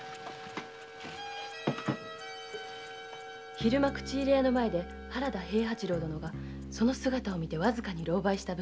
昼間口入れ屋の前で原田殿がその姿を見てわずかに狼狽した武士。